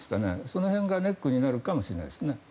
その辺がネックになるかもしれないですね。